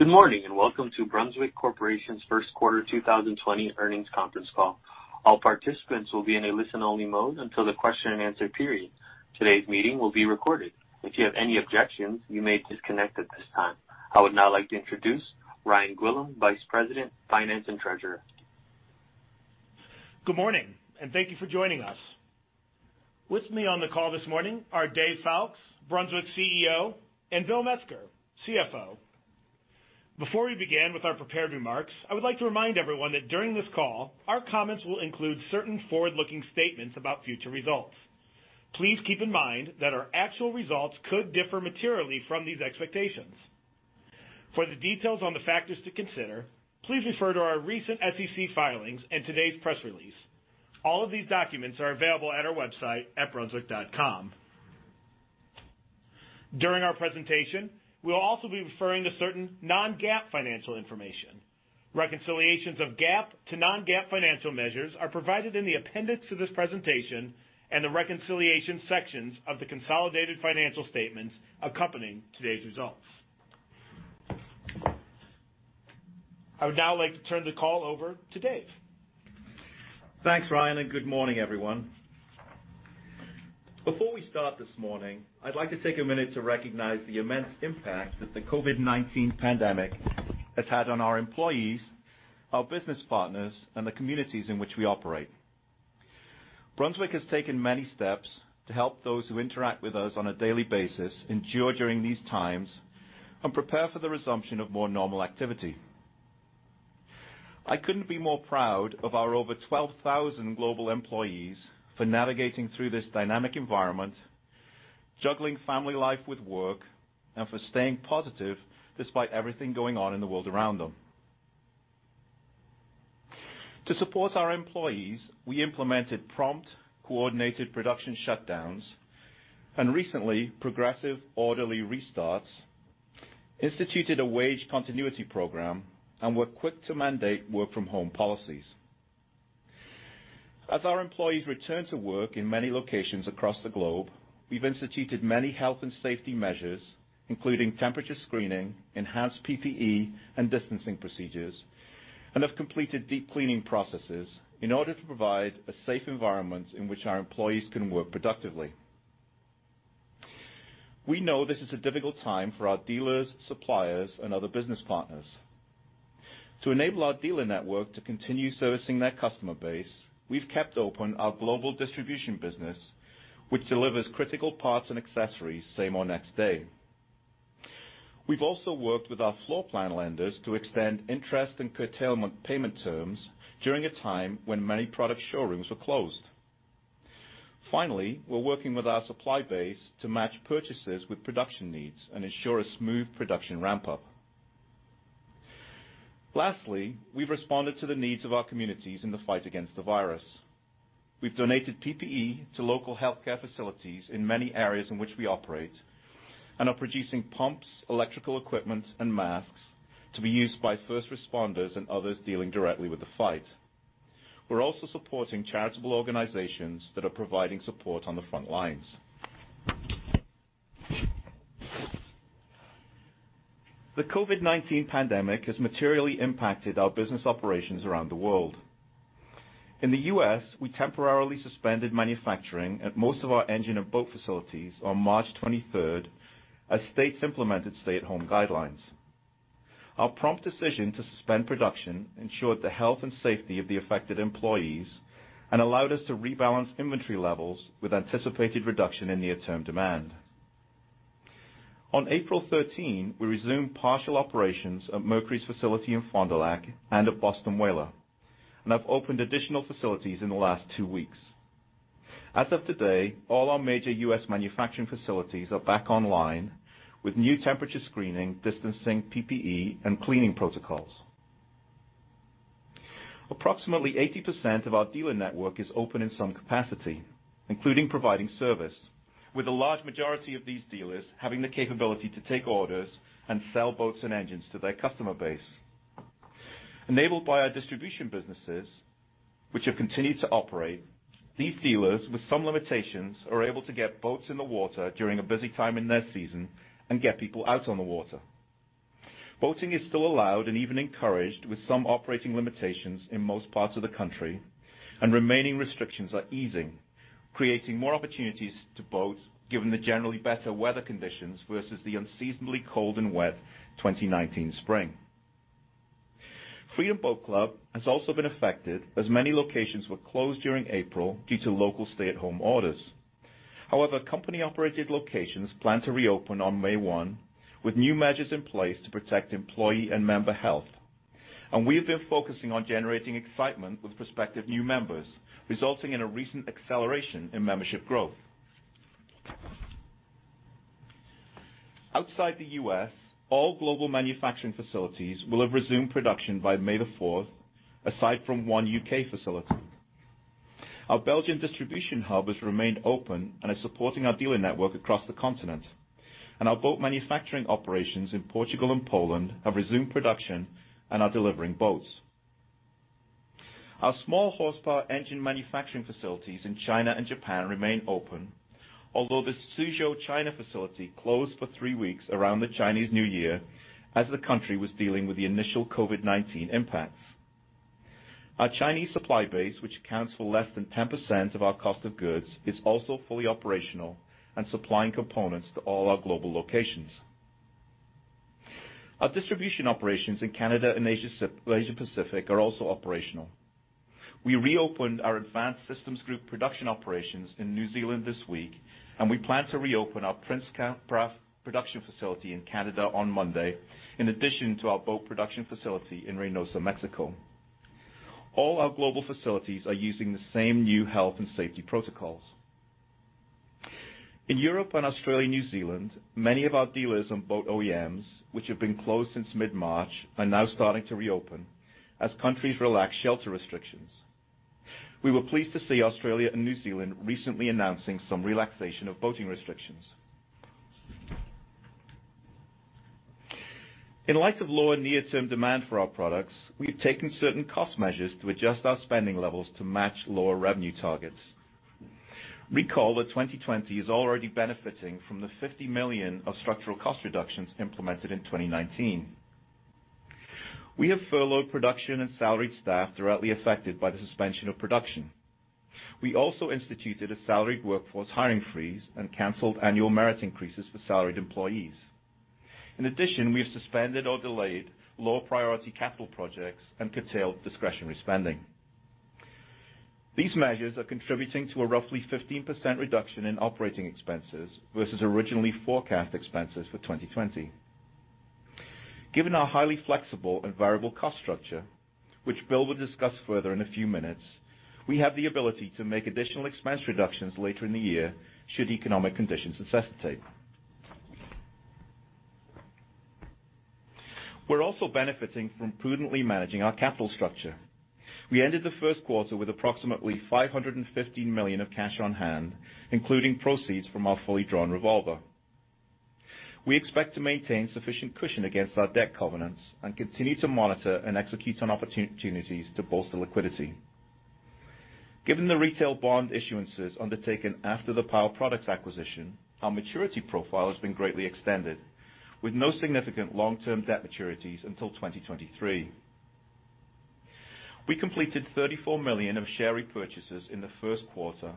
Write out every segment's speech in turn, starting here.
Good morning and welcome to Brunswick Corporation's First Quarter 2020 Earnings Conference Call. All participants will be in a listen-only mode until the question and answer period. Today's meeting will be recorded. If you have any objections, you may disconnect at this time. I would now like to introduce Ryan Gwillim, Vice President, Finance and Treasurer. Good morning and thank you for joining us. With me on the call this morning are Dave Foulkes, Brunswick CEO, and Bill Metzger, CFO. Before we begin with our prepared remarks, I would like to remind everyone that during this call, our comments will include certain forward-looking statements about future results. Please keep in mind that our actual results could differ materially from these expectations. For the details on the factors to consider, please refer to our recent SEC filings and today's press release. All of these documents are available at our website at brunswick.com. During our presentation, we'll also be referring to certain non-GAAP financial information. Reconciliations of GAAP to non-GAAP financial measures are provided in the appendix to this presentation and the reconciliation sections of the consolidated financial statements accompanying today's results. I would now like to turn the call over to Dave. Thanks, Ryan, and good morning, everyone. Before we start this morning, I'd like to take a minute to recognize the immense impact that the COVID-19 pandemic has had on our employees, our business partners, and the communities in which we operate. Brunswick has taken many steps to help those who interact with us on a daily basis endure during these times and prepare for the resumption of more normal activity. I couldn't be more proud of our over 12,000 global employees for navigating through this dynamic environment, juggling family life with work, and for staying positive despite everything going on in the world around them. To support our employees, we implemented prompt coordinated production shutdowns and recently progressive orderly restarts, instituted a wage continuity program, and were quick to mandate work-from-home policies. As our employees return to work in many locations across the globe, we've instituted many health and safety measures, including temperature screening, enhanced PPE, and distancing procedures, and have completed deep cleaning processes in order to provide a safe environment in which our employees can work productively. We know this is a difficult time for our dealers, suppliers, and other business partners. To enable our dealer network to continue servicing their customer base, we've kept open our global distribution business, which delivers critical parts and accessories same or next day. We've also worked with our floor plan lenders to extend interest and curtailment payment terms during a time when many product showrooms were closed. Finally, we're working with our supply base to match purchases with production needs and ensure a smooth production ramp-up. Lastly, we've responded to the needs of our communities in the fight against the virus. We've donated PPE to local healthcare facilities in many areas in which we operate and are producing pumps, electrical equipment, and masks to be used by first responders and others dealing directly with the fight. We're also supporting charitable organizations that are providing support on the front lines. The COVID-19 pandemic has materially impacted our business operations around the world. In the U.S., we temporarily suspended manufacturing at most of our engine and boat facilities on March 23rd as states implemented stay-at-home guidelines. Our prompt decision to suspend production ensured the health and safety of the affected employees and allowed us to rebalance inventory levels with anticipated reduction in near-term demand. On April 13, we resumed partial operations at Mercury's facility in Fond du Lac and at Boston Whaler, and have opened additional facilities in the last two weeks. As of today, all our major U.S. manufacturing facilities are back online with new temperature screening, distancing, PPE, and cleaning protocols. Approximately 80% of our dealer network is open in some capacity, including providing service, with a large majority of these dealers having the capability to take orders and sell boats and engines to their customer base. Enabled by our distribution businesses, which have continued to operate, these dealers, with some limitations, are able to get boats in the water during a busy time in their season and get people out on the water. Boating is still allowed and even encouraged with some operating limitations in most parts of the country, and remaining restrictions are easing, creating more opportunities to boat given the generally better weather conditions versus the unseasonably cold and wet 2019 spring. Freedom Boat Club has also been affected as many locations were closed during April due to local stay-at-home orders. However, company-operated locations plan to reopen on May 1 with new measures in place to protect employee and member health, and we have been focusing on generating excitement with prospective new members, resulting in a recent acceleration in membership growth. Outside the U.S., all global manufacturing facilities will have resumed production by May the 4th, aside from one U.K. facility. Our Belgian distribution hub has remained open and is supporting our dealer network across the continent, and our boat manufacturing operations in Portugal and Poland have resumed production and are delivering boats. Our small horsepower engine manufacturing facilities in China and Japan remain open, although the Suzhou China facility closed for three weeks around the Chinese New Year as the country was dealing with the initial COVID-19 impacts. Our Chinese supply base, which accounts for less than 10% of our cost of goods, is also fully operational and supplying components to all our global locations. Our distribution operations in Canada and Asia Pacific are also operational. We reopened our Advanced Systems Group production operations in New Zealand this week, and we plan to reopen our Princecraft production facility in Canada on Monday, in addition to our boat production facility in Reynosa, Mexico. All our global facilities are using the same new health and safety protocols. In Europe and Australia and New Zealand, many of our dealers and boat OEMs, which have been closed since mid-March, are now starting to reopen as countries relax shelter restrictions. We were pleased to see Australia and New Zealand recently announcing some relaxation of boating restrictions. In light of lower near-term demand for our products, we've taken certain cost measures to adjust our spending levels to match lower revenue targets. Recall that 2020 is already benefiting from the $50 million of structural cost reductions implemented in 2019. We have furloughed production and salaried staff directly affected by the suspension of production. We also instituted a salaried workforce hiring freeze and canceled annual merit increases for salaried employees. In addition, we have suspended or delayed low-priority capital projects and curtailed discretionary spending. These measures are contributing to a roughly 15% reduction in operating expenses versus originally forecast expenses for 2020. Given our highly flexible and variable cost structure, which Bill will discuss further in a few minutes, we have the ability to make additional expense reductions later in the year should economic conditions necessitate. We're also benefiting from prudently managing our capital structure. We ended the first quarter with approximately $515 million of cash on hand, including proceeds from our fully drawn revolver. We expect to maintain sufficient cushion against our debt covenants and continue to monitor and execute on opportunities to bolster liquidity. Given the retail bond issuances undertaken after the Power Products acquisition, our maturity profile has been greatly extended, with no significant long-term debt maturities until 2023. We completed $34 million of share repurchases in the first quarter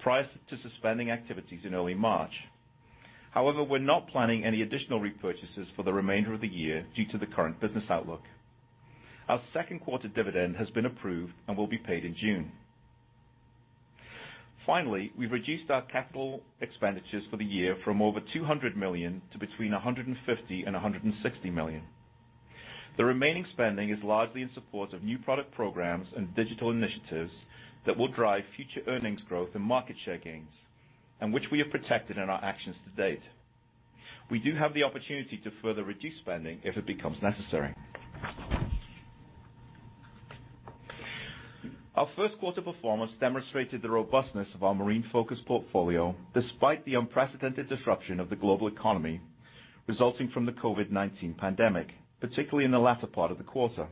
prior to suspending activities in early March. However, we're not planning any additional repurchases for the remainder of the year due to the current business outlook. Our second quarter dividend has been approved and will be paid in June. Finally, we've reduced our capital expenditures for the year from over $200 million to between $150 million and $160 million. The remaining spending is largely in support of new product programs and digital initiatives that will drive future earnings growth and market share gains, and which we have protected in our actions to date. We do have the opportunity to further reduce spending if it becomes necessary. Our first quarter performance demonstrated the robustness of our marine-focused portfolio despite the unprecedented disruption of the global economy resulting from the COVID-19 pandemic, particularly in the latter part of the quarter.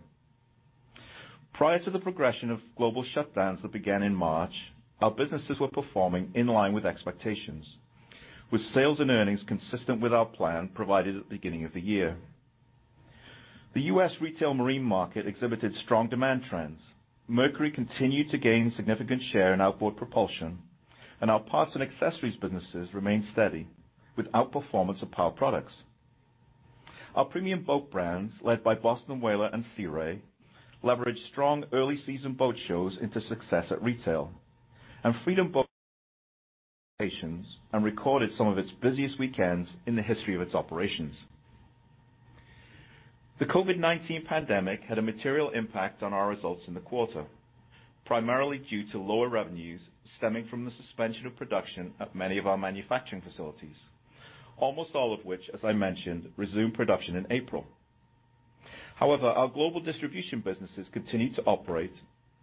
Prior to the progression of global shutdowns that began in March, our businesses were performing in line with expectations, with sales and earnings consistent with our plan provided at the beginning of the year. The U.S. retail marine market exhibited strong demand trends. Mercury continued to gain significant share in outboard propulsion, and our parts and accessories businesses remained steady with outperformance of Power Products. Our premium boat brands, led by Boston Whaler and Sea Ray, leveraged strong early-season boat shows into success at retail, and Freedom Boat Club and recorded some of its busiest weekends in the history of its operations. The COVID-19 pandemic had a material impact on our results in the quarter, primarily due to lower revenues stemming from the suspension of production at many of our manufacturing facilities, almost all of which, as I mentioned, resumed production in April. However, our global distribution businesses continued to operate,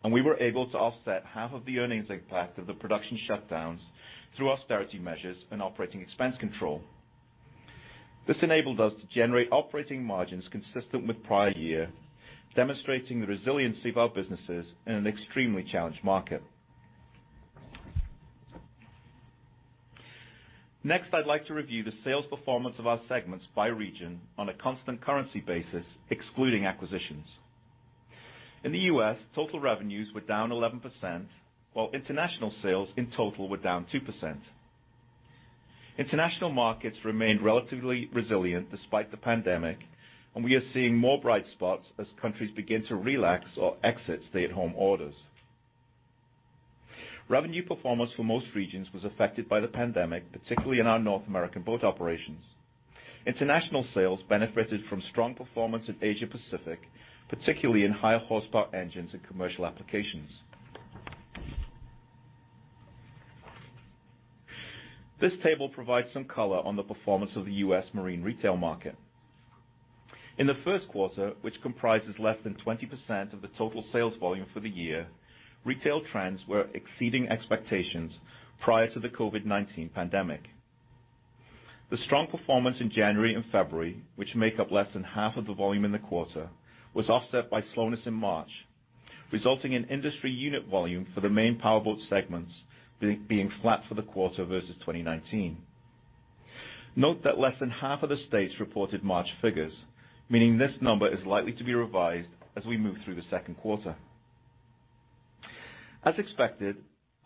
and we were able to offset half of the earnings impact of the production shutdowns through austerity measures and operating expense control. This enabled us to generate operating margins consistent with prior year, demonstrating the resiliency of our businesses in an extremely challenged market. Next, I'd like to review the sales performance of our segments by region on a constant currency basis, excluding acquisitions. In the U.S., total revenues were down 11%, while international sales in total were down 2%. International markets remained relatively resilient despite the pandemic, and we are seeing more bright spots as countries begin to relax or exit stay-at-home orders. Revenue performance for most regions was affected by the pandemic, particularly in our North American boat operations. International sales benefited from strong performance in Asia Pacific, particularly in higher horsepower engines and commercial applications. This table provides some color on the performance of the U.S. marine retail market. In the first quarter, which comprises less than 20% of the total sales volume for the year, retail trends were exceeding expectations prior to the COVID-19 pandemic. The strong performance in January and February, which make up less than half of the volume in the quarter, was offset by slowness in March, resulting in industry unit volume for the main power boat segments being flat for the quarter versus 2019. Note that less than half of the states reported March figures, meaning this number is likely to be revised as we move through the second quarter. As expected,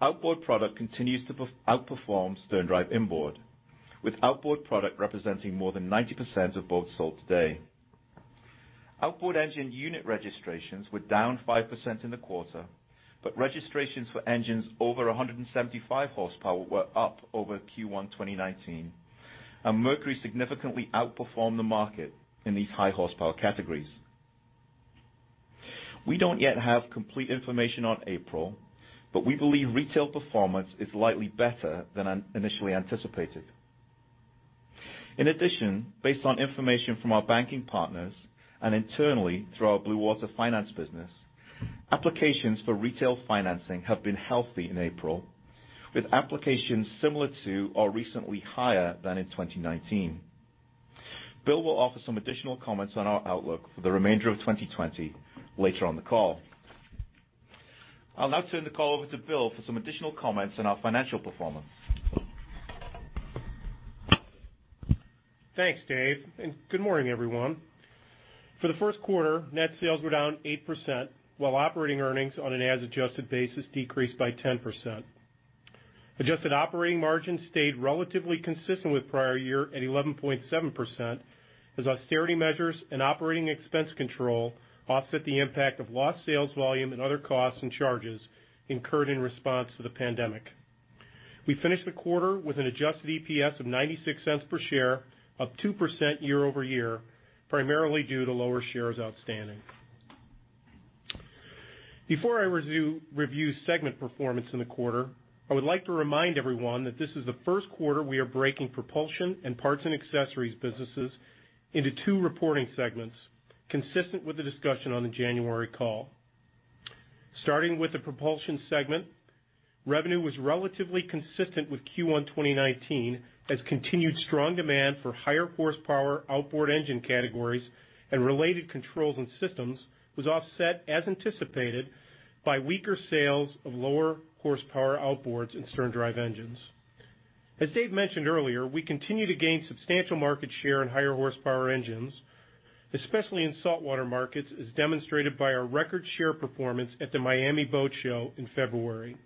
outboard product continues to outperform sterndrive inboard, with outboard product representing more than 90% of boats sold today. Outboard engine unit registrations were down 5% in the quarter, but registrations for engines over 175 horsepower were up over Q1 2019, and Mercury significantly outperformed the market in these high horsepower categories. We don't yet have complete information on April, but we believe retail performance is likely better than initially anticipated. In addition, based on information from our banking partners and internally through our Blue Water Finance business, applications for retail financing have been healthy in April, with applications similar to or recently higher than in 2019. Bill will offer some additional comments on our outlook for the remainder of 2020 later on the call. I'll now turn the call over to Bill for some additional comments on our financial performance. Thanks, Dave. And good morning, everyone. For the first quarter, net sales were down 8%, while operating earnings on an as-adjusted basis decreased by 10%. Adjusted operating margins stayed relatively consistent with prior year at 11.7%, as austerity measures and operating expense control offset the impact of lost sales volume and other costs and charges incurred in response to the pandemic. We finished the quarter with an adjusted EPS of $0.96 per share, up 2% year-over-year, primarily due to lower shares outstanding. Before I review segment performance in the quarter, I would like to remind everyone that this is the first quarter we are breaking propulsion and parts and accessories businesses into two reporting segments, consistent with the discussion on the January call. Starting with the propulsion segment, revenue was relatively consistent with Q1 2019, as continued strong demand for higher horsepower outboard engine categories and related controls and systems was offset, as anticipated, by weaker sales of lower horsepower outboards and sterndrive engines. As Dave mentioned earlier, we continue to gain substantial market share in higher horsepower engines, especially in saltwater markets, as demonstrated by our record-share performance at the Miami Boat Show in February.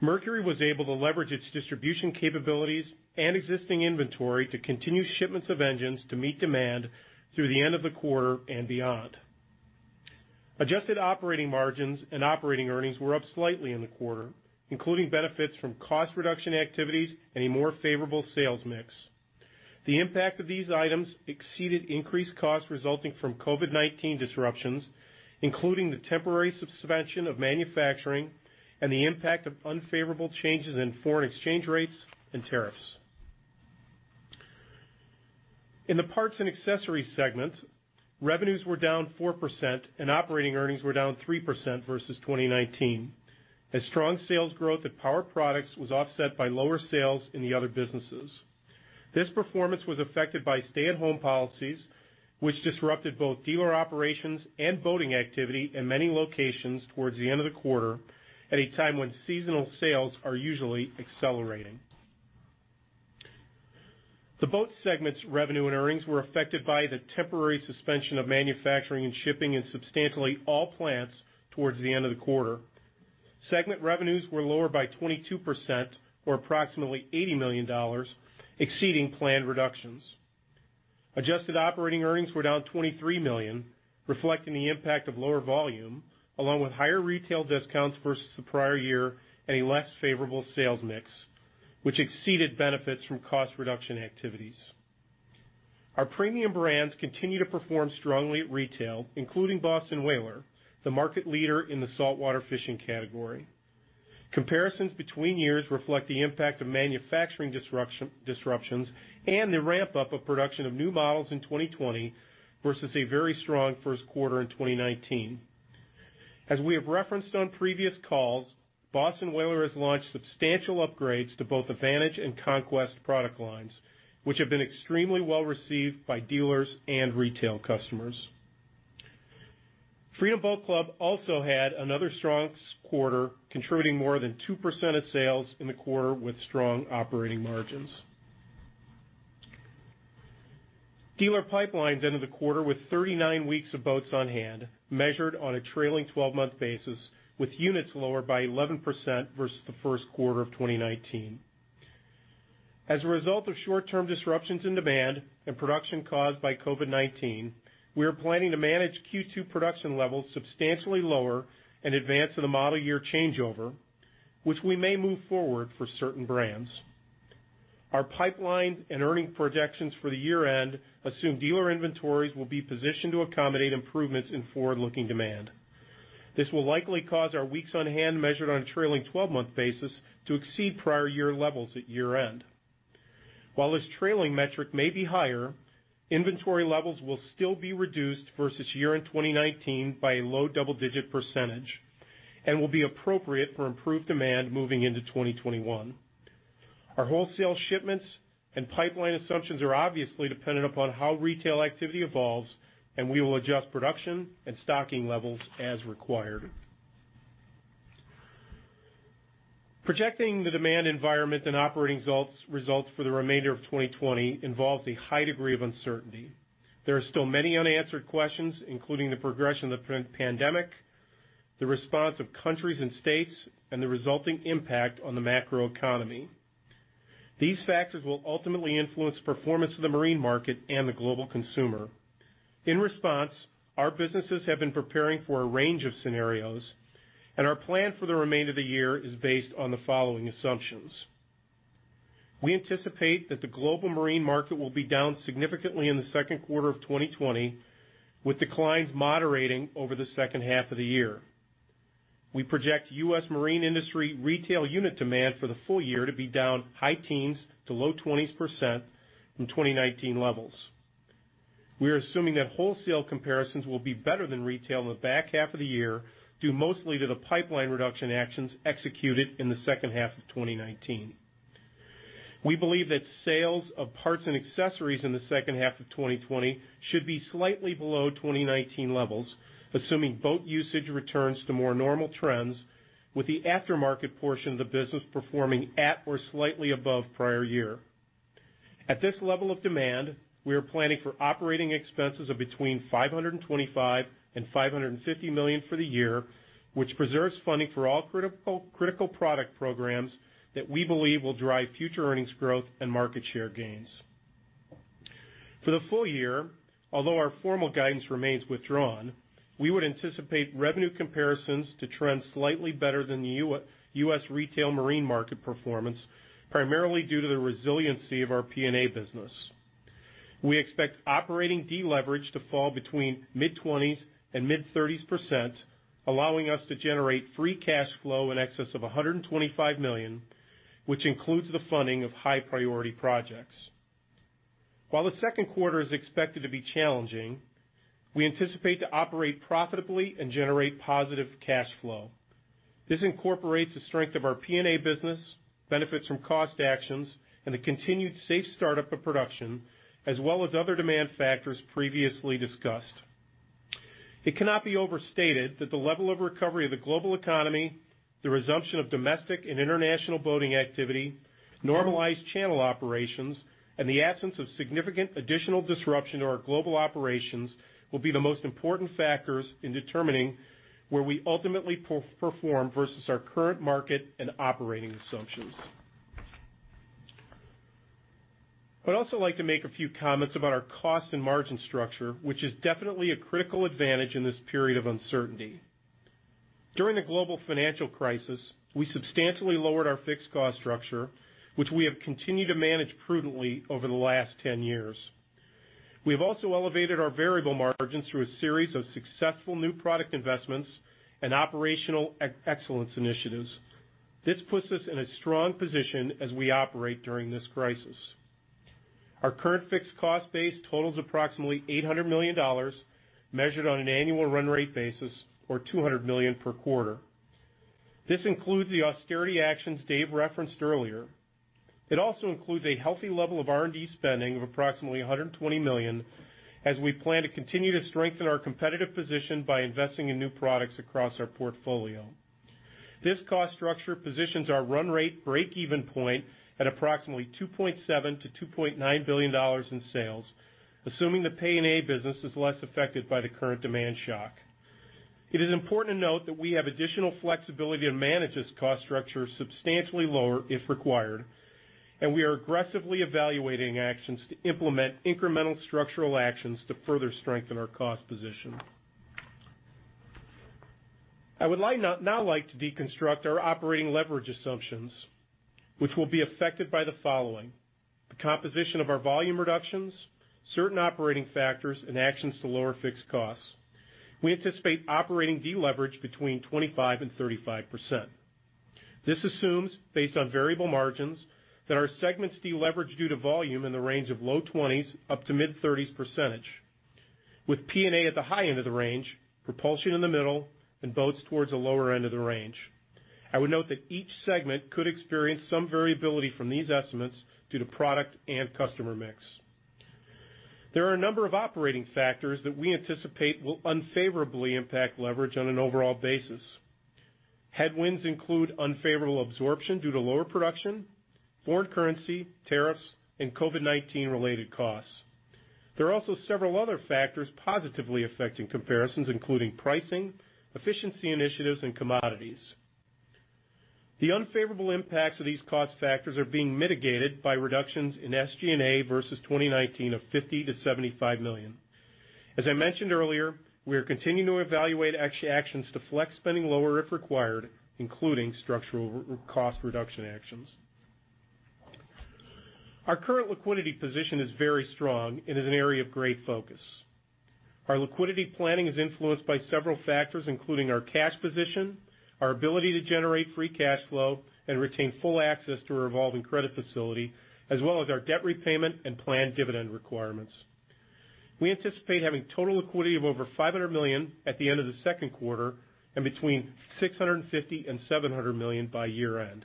Mercury was able to leverage its distribution capabilities and existing inventory to continue shipments of engines to meet demand through the end of the quarter and beyond. Adjusted operating margins and operating earnings were up slightly in the quarter, including benefits from cost reduction activities and a more favorable sales mix. The impact of these items exceeded increased costs resulting from COVID-19 disruptions, including the temporary suspension of manufacturing and the impact of unfavorable changes in foreign exchange rates and tariffs. In the parts and accessories segment, revenues were down 4%, and operating earnings were down 3% versus 2019, as strong sales growth at power products was offset by lower sales in the other businesses. This performance was affected by stay-at-home policies, which disrupted both dealer operations and boating activity in many locations towards the end of the quarter, at a time when seasonal sales are usually accelerating. The boat segment's revenue and earnings were affected by the temporary suspension of manufacturing and shipping in substantially all plants towards the end of the quarter. Segment revenues were lower by 22%, or approximately $80 million, exceeding planned reductions. Adjusted operating earnings were down $23 million, reflecting the impact of lower volume, along with higher retail discounts versus the prior year and a less favorable sales mix, which exceeded benefits from cost reduction activities. Our premium brands continue to perform strongly at retail, including Boston Whaler, the market leader in the saltwater fishing category. Comparisons between years reflect the impact of manufacturing disruptions and the ramp-up of production of new models in 2020 versus a very strong first quarter in 2019. As we have referenced on previous calls, Boston Whaler has launched substantial upgrades to both the Vantage and Conquest product lines, which have been extremely well received by dealers and retail customers. Freedom Boat Club also had another strong quarter, contributing more than 2% of sales in the quarter with strong operating margins. Dealer pipelines ended the quarter with 39 weeks of boats on hand, measured on a trailing 12-month basis, with units lower by 11% versus the first quarter of 2019. As a result of short-term disruptions in demand and production caused by COVID-19, we are planning to manage Q2 production levels substantially lower in advance of the model year changeover, which we may move forward for certain brands. Our pipeline and earnings projections for the year-end assume dealer inventories will be positioned to accommodate improvements in forward-looking demand. This will likely cause our weeks on hand, measured on a trailing 12-month basis, to exceed prior year levels at year-end. While this trailing metric may be higher, inventory levels will still be reduced versus year-end 2019 by a low double-digit percentage and will be appropriate for improved demand moving into 2021. Our wholesale shipments and pipeline assumptions are obviously dependent upon how retail activity evolves, and we will adjust production and stocking levels as required. Projecting the demand environment and operating results for the remainder of 2020 involves a high degree of uncertainty. There are still many unanswered questions, including the progression of the pandemic, the response of countries and states, and the resulting impact on the macroeconomy. These factors will ultimately influence performance of the marine market and the global consumer. In response, our businesses have been preparing for a range of scenarios, and our plan for the remainder of the year is based on the following assumptions. We anticipate that the global marine market will be down significantly in the second quarter of 2020, with declines moderating over the second half of the year. We project U.S. marine industry retail unit demand for the full year to be down high teens to low 20% from 2019 levels. We are assuming that wholesale comparisons will be better than retail in the back half of the year due mostly to the pipeline reduction actions executed in the second half of 2019. We believe that sales of parts and accessories in the second half of 2020 should be slightly below 2019 levels, assuming boat usage returns to more normal trends, with the aftermarket portion of the business performing at or slightly above prior year. At this level of demand, we are planning for operating expenses of between $525 million and $550 million for the year, which preserves funding for all critical product programs that we believe will drive future earnings growth and market share gains. For the full year, although our formal guidance remains withdrawn, we would anticipate revenue comparisons to trend slightly better than the U.S. retail marine market performance, primarily due to the resiliency of our P&A business. We expect operating deleverage to fall between mid-20s and mid-30s %, allowing us to generate free cash flow in excess of $125 million, which includes the funding of high-priority projects. While the second quarter is expected to be challenging, we anticipate to operate profitably and generate positive cash flow. This incorporates the strength of our P&A business, benefits from cost actions, and the continued safe startup of production, as well as other demand factors previously discussed. It cannot be overstated that the level of recovery of the global economy, the resumption of domestic and international boating activity, normalized channel operations, and the absence of significant additional disruption to our global operations will be the most important factors in determining where we ultimately perform versus our current market and operating assumptions. I'd also like to make a few comments about our cost and margin structure, which is definitely a critical advantage in this period of uncertainty. During the global financial crisis, we substantially lowered our fixed cost structure, which we have continued to manage prudently over the last 10 years. We have also elevated our variable margins through a series of successful new product investments and operational excellence initiatives. This puts us in a strong position as we operate during this crisis. Our current fixed cost base totals approximately $800 million, measured on an annual run rate basis, or $200 million per quarter. This includes the austerity actions Dave referenced earlier. It also includes a healthy level of R&D spending of approximately $120 million, as we plan to continue to strengthen our competitive position by investing in new products across our portfolio. This cost structure positions our run rate break-even point at approximately $2.7 billion-$2.9 billion in sales, assuming the P&A business is less affected by the current demand shock. It is important to note that we have additional flexibility to manage this cost structure substantially lower if required, and we are aggressively evaluating actions to implement incremental structural actions to further strengthen our cost position. I would now like to deconstruct our operating leverage assumptions, which will be affected by the following: the composition of our volume reductions, certain operating factors, and actions to lower fixed costs. We anticipate operating deleverage between 25%-35%. This assumes, based on variable margins, that our segments deleverage due to volume in the range of low 20s up to mid-30s%, with P&A at the high end of the range, propulsion in the middle, and boats towards the lower end of the range. I would note that each segment could experience some variability from these estimates due to product and customer mix. There are a number of operating factors that we anticipate will unfavorably impact leverage on an overall basis. Headwinds include unfavorable absorption due to lower production, foreign currency, tariffs, and COVID-19-related costs. There are also several other factors positively affecting comparisons, including pricing, efficiency initiatives, and commodities. The unfavorable impacts of these cost factors are being mitigated by reductions in SG&A versus 2019 of $50 million-$75 million. As I mentioned earlier, we are continuing to evaluate actions to flex spending lower if required, including structural cost reduction actions. Our current liquidity position is very strong and is an area of great focus. Our liquidity planning is influenced by several factors, including our cash position, our ability to generate free cash flow, and retain full access to our evolving credit facility, as well as our debt repayment and planned dividend requirements. We anticipate having total liquidity of over $500 million at the end of the second quarter and between $650 and $700 million by year-end.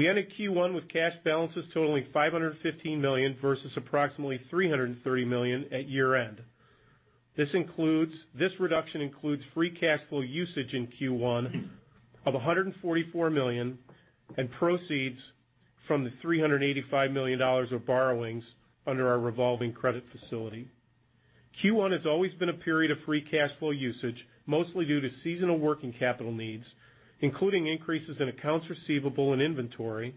We ended Q1 with cash balances totaling $515 million versus approximately $330 million at year-end. This reduction includes free cash flow usage in Q1 of $144 million and proceeds from the $385 million of borrowings under our revolving credit facility. Q1 has always been a period of free cash flow usage, mostly due to seasonal working capital needs, including increases in accounts receivable and inventory,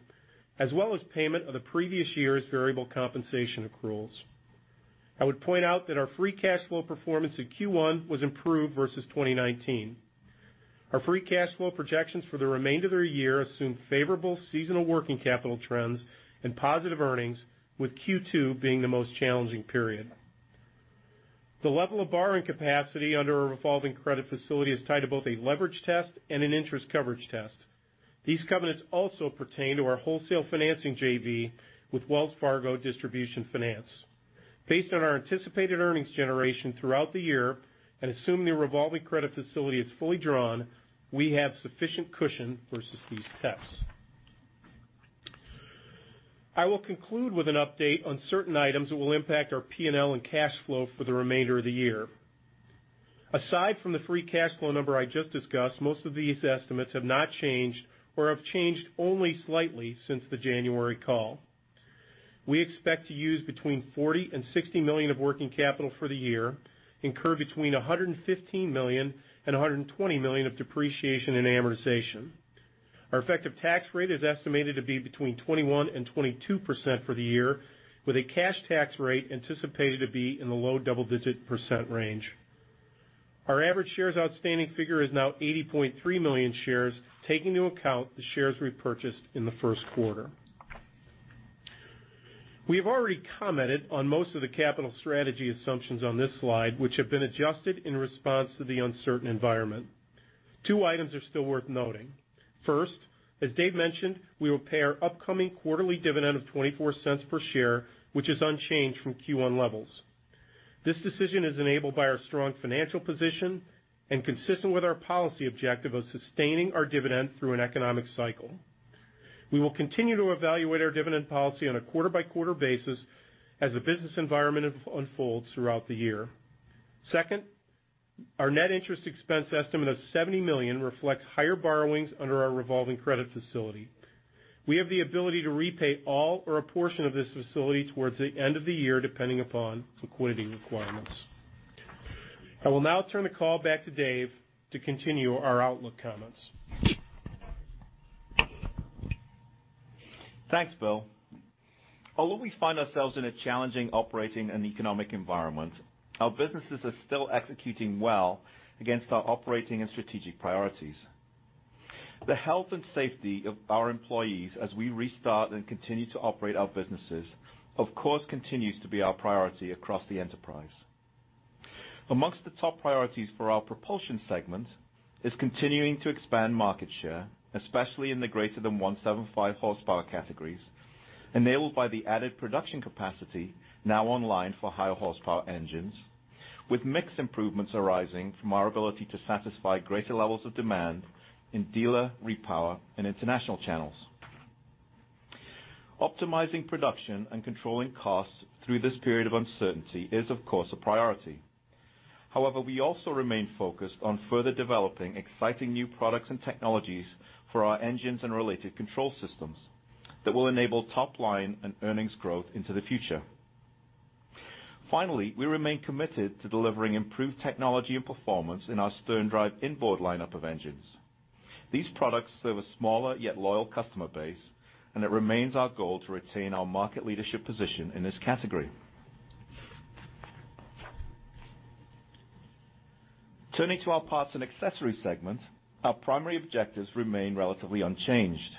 as well as payment of the previous year's variable compensation accruals. I would point out that our free cash flow performance in Q1 was improved versus 2019. Our free cash flow projections for the remainder of the year assume favorable seasonal working capital trends and positive earnings, with Q2 being the most challenging period. The level of borrowing capacity under our revolving credit facility is tied to both a leverage test and an interest coverage test. These covenants also pertain to our wholesale financing JV with Wells Fargo Distribution Finance. Based on our anticipated earnings generation throughout the year and assuming the revolving credit facility is fully drawn, we have sufficient cushion versus these tests. I will conclude with an update on certain items that will impact our P&L and cash flow for the remainder of the year. Aside from the free cash flow number I just discussed, most of these estimates have not changed or have changed only slightly since the January call. We expect to use between $40 million and $60 million of working capital for the year and incur between $115 million and $120 million of depreciation and amortization. Our effective tax rate is estimated to be between 21%-22% for the year, with a cash tax rate anticipated to be in the low double-digit % range. Our average shares outstanding figure is now 80.3 million shares, taking into account the shares repurchased in the first quarter. We have already commented on most of the capital strategy assumptions on this slide, which have been adjusted in response to the uncertain environment. Two items are still worth noting. First, as Dave mentioned, we will pay our upcoming quarterly dividend of $0.24 per share, which is unchanged from Q1 levels. This decision is enabled by our strong financial position and consistent with our policy objective of sustaining our dividend through an economic cycle. We will continue to evaluate our dividend policy on a quarter-by-quarter basis as the business environment unfolds throughout the year. Second, our net interest expense estimate of $70 million reflects higher borrowings under our revolving credit facility. We have the ability to repay all or a portion of this facility towards the end of the year, depending upon liquidity requirements. I will now turn the call back to Dave to continue our outlook comments. Thanks, Bill. Although we find ourselves in a challenging operating and economic environment, our businesses are still executing well against our operating and strategic priorities. The health and safety of our employees as we restart and continue to operate our businesses, of course, continues to be our priority across the enterprise. Amongst the top priorities for our propulsion segment is continuing to expand market share, especially in the greater-than-175 horsepower categories, enabled by the added production capacity now online for higher horsepower engines, with mixed improvements arising from our ability to satisfy greater levels of demand in dealer, repower, and international channels. Optimizing production and controlling costs through this period of uncertainty is, of course, a priority. However, we also remain focused on further developing exciting new products and technologies for our engines and related control systems that will enable top-line and earnings growth into the future. Finally, we remain committed to delivering improved technology and performance in our Stern Drive inboard lineup of engines. These products serve a smaller yet loyal customer base, and it remains our goal to retain our market leadership position in this category. Turning to our parts and accessories segment, our primary objectives remain relatively unchanged.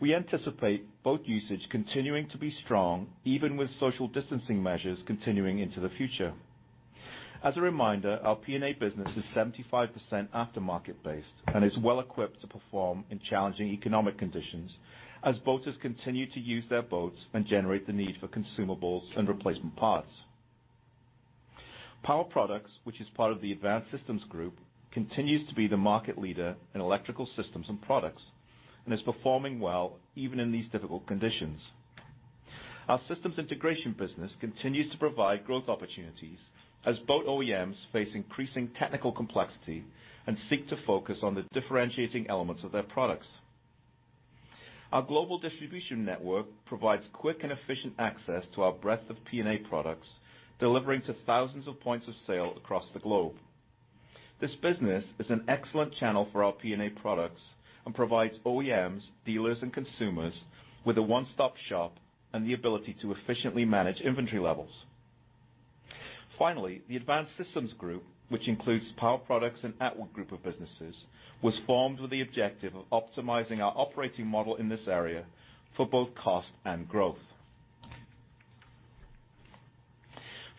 We anticipate boat usage continuing to be strong, even with social distancing measures continuing into the future. As a reminder, our P&A business is 75% aftermarket-based and is well-equipped to perform in challenging economic conditions as boaters continue to use their boats and generate the need for consumables and replacement parts. Power Products, which is part of the Advanced Systems Group, continues to be the market leader in electrical systems and products and is performing well even in these difficult conditions. Our systems integration business continues to provide growth opportunities as boat OEMs face increasing technical complexity and seek to focus on the differentiating elements of their products. Our global distribution network provides quick and efficient access to our breadth of P&A products, delivering to thousands of points of sale across the globe. This business is an excellent channel for our P&A products and provides OEMs, dealers, and consumers with a one-stop shop and the ability to efficiently manage inventory levels. Finally, the Advanced Systems Group, which includes Power Products and Attwood group of businesses, was formed with the objective of optimizing our operating model in this area for both cost and growth.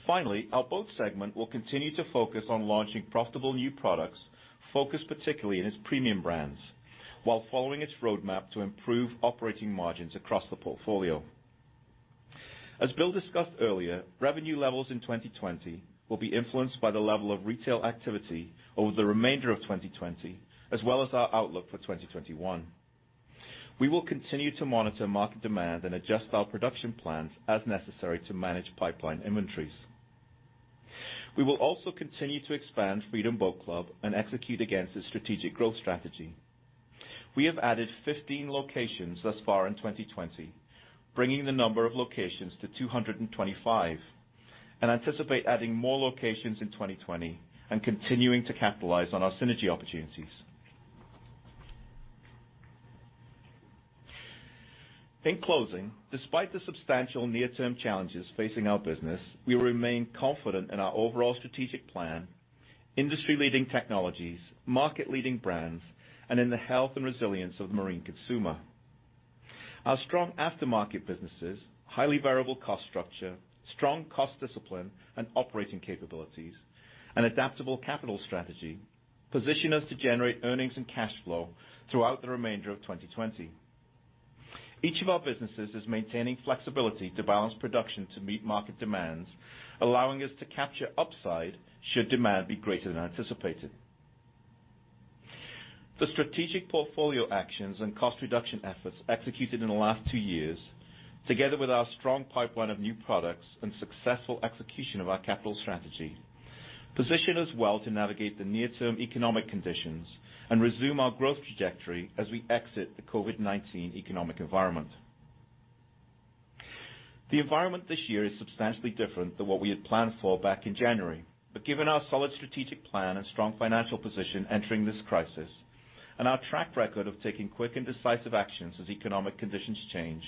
Finally, our boat segment will continue to focus on launching profitable new products focused particularly in its premium brands while following its roadmap to improve operating margins across the portfolio. As Bill discussed earlier, revenue levels in 2020 will be influenced by the level of retail activity over the remainder of 2020, as well as our outlook for 2021. We will continue to monitor market demand and adjust our production plans as necessary to manage pipeline inventories. We will also continue to expand Freedom Boat Club and execute against its strategic growth strategy. We have added 15 locations thus far in 2020, bringing the number of locations to 225, and anticipate adding more locations in 2020 and continuing to capitalize on our synergy opportunities. In closing, despite the substantial near-term challenges facing our business, we remain confident in our overall strategic plan, industry-leading technologies, market-leading brands, and in the health and resilience of the marine consumer. Our strong aftermarket businesses, highly variable cost structure, strong cost discipline, and operating capabilities, and adaptable capital strategy position us to generate earnings and cash flow throughout the remainder of 2020. Each of our businesses is maintaining flexibility to balance production to meet market demands, allowing us to capture upside should demand be greater than anticipated. The strategic portfolio actions and cost reduction efforts executed in the last two years, together with our strong pipeline of new products and successful execution of our capital strategy, position us well to navigate the near-term economic conditions and resume our growth trajectory as we exit the COVID-19 economic environment. The environment this year is substantially different than what we had planned for back in January, but given our solid strategic plan and strong financial position entering this crisis and our track record of taking quick and decisive actions as economic conditions change,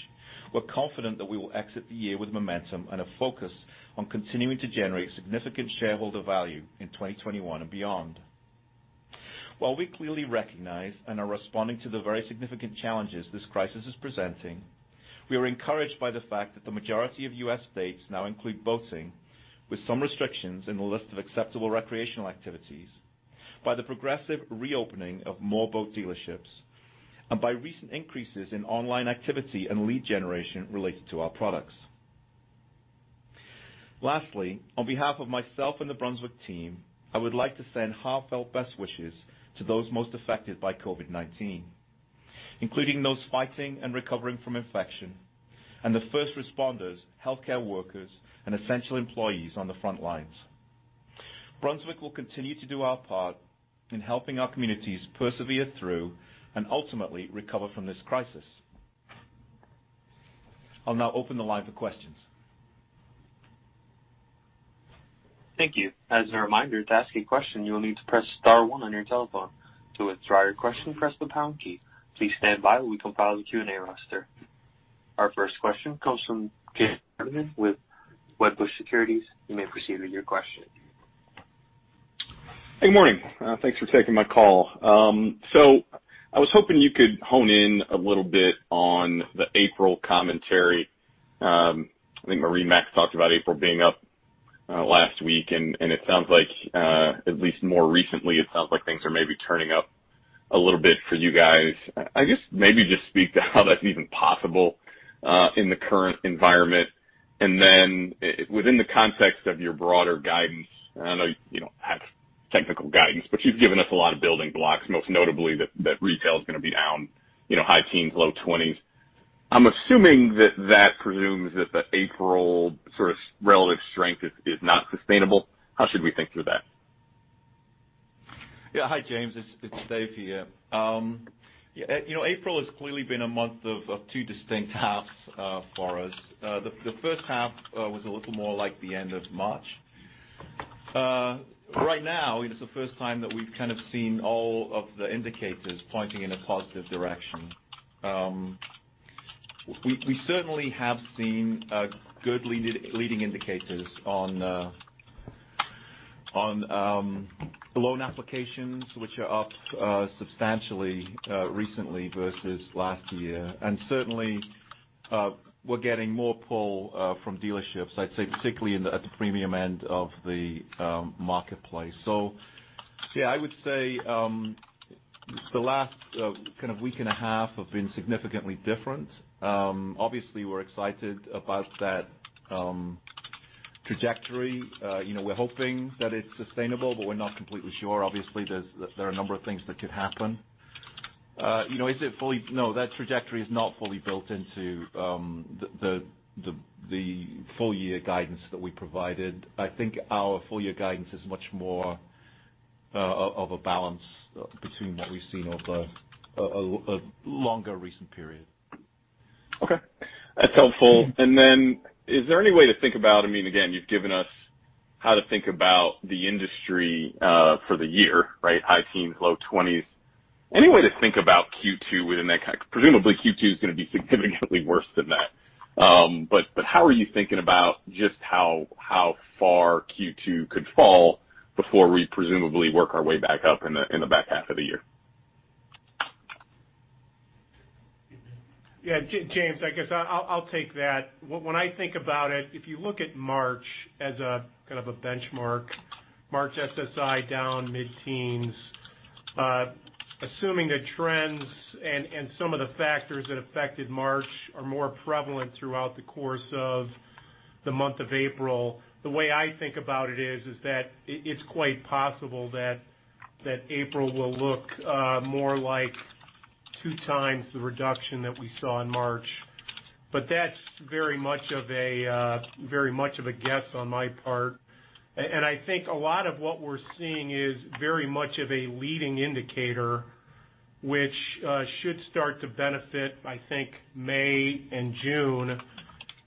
we're confident that we will exit the year with momentum and a focus on continuing to generate significant shareholder value in 2021 and beyond. While we clearly recognize and are responding to the very significant challenges this crisis is presenting, we are encouraged by the fact that the majority of U.S. states now include boating, with some restrictions in the list of acceptable recreational activities, by the progressive reopening of more boat dealerships, and by recent increases in online activity and lead generation related to our products. Lastly, on behalf of myself and the Brunswick team, I would like to send heartfelt best wishes to those most affected by COVID-19, including those fighting and recovering from infection, and the first responders, healthcare workers, and essential employees on the front lines. Brunswick will continue to do our part in helping our communities persevere through and ultimately recover from this crisis. I'll now open the line for questions. Thank you. As a reminder, to ask a question, you will need to press star one on your telephone. To withdraw your question, press the pound key. Please stand by while we compile the Q&A roster. Our first question comes from James Gardner with Wedbush Securities. You may proceed with your question. Hey, good morning. Thanks for taking my call. So I was hoping you could hone in a little bit on the April commentary. I think MarineMax talked about April being up last week, and it sounds like, at least more recently, it sounds like things are maybe turning up a little bit for you guys. I guess maybe just speak to how that's even possible in the current environment. And then within the context of your broader guidance, I know you don't have technical guidance, but you've given us a lot of building blocks, most notably that retail is going to be down, high teens, low twenties. I'm assuming that that presumes that the April sort of relative strength is not sustainable. How should we think through that? Yeah. Hi, James. It's Dave here. April has clearly been a month of two distinct halves for us. The first half was a little more like the end of March. Right now, it's the first time that we've kind of seen all of the indicators pointing in a positive direction. We certainly have seen good leading indicators on loan applications, which are up substantially recently versus last year. And certainly, we're getting more pull from dealerships, I'd say, particularly at the premium end of the marketplace. So yeah, I would say the last kind of week and a half have been significantly different. Obviously, we're excited about that trajectory. We're hoping that it's sustainable, but we're not completely sure. Obviously, there are a number of things that could happen. Is it fully? No, that trajectory is not fully built into the full-year guidance that we provided. I think our full-year guidance is much more of a balance between what we've seen over a longer recent period. Okay. That's helpful. And then is there any way to think about, I mean, again, you've given us how to think about the industry for the year, right? High teens, low twenties. Any way to think about Q2 within that kind of? Presumably, Q2 is going to be significantly worse than that. But how are you thinking about just how far Q2 could fall before we presumably work our way back up in the back half of the year? Yeah. James, I guess I'll take that. When I think about it, if you look at March as kind of a benchmark, March SSI down mid-teens, assuming the trends and some of the factors that affected March are more prevalent throughout the course of the month of April, the way I think about it is that it's quite possible that April will look more like two times the reduction that we saw in March. But that's very much of a very much of a guess on my part, and I think a lot of what we're seeing is very much of a leading indicator, which should start to benefit, I think, May and June,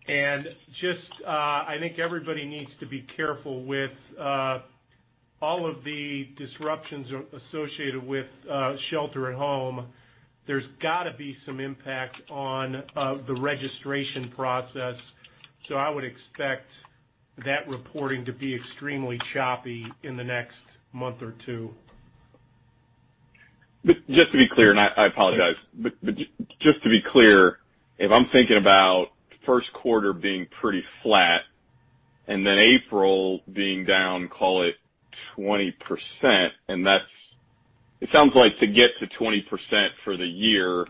and just I think everybody needs to be careful with all of the disruptions associated with shelter at home. There's got to be some impact on the registration process. So I would expect that reporting to be extremely choppy in the next month or two. Just to be clear, and I apologize, but just to be clear, if I'm thinking about first quarter being pretty flat and then April being down, call it 20%, and that sounds like to get to 20% for the year,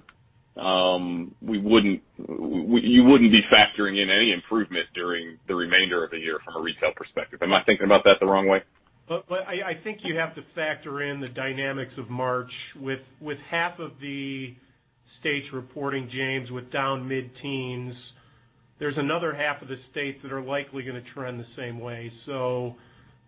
you wouldn't be factoring in any improvement during the remainder of the year from a retail perspective. Am I thinking about that the wrong way? I think you have to factor in the dynamics of March. With half of the states reporting, James, with down mid-teens, there's another half of the states that are likely going to trend the same way. So